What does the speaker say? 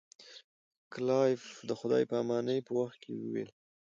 کلایف د خدای په امانی په وخت کې وویل.